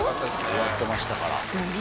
終わってましたから。